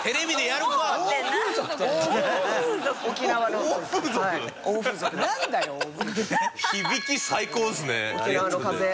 沖縄の風。